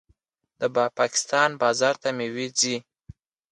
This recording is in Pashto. د پاکستان بازار ته میوې ځي.